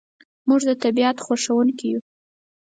موږ د طبیعت خوښونکي یو.